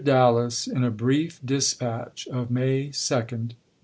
Dallas in a brief dispatch of May 2d (No.